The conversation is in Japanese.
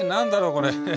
これ。